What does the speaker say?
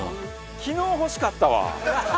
昨日欲しかったわ。